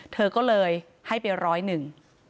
เธอก็เลยให้ไปร้อยหนึ่ง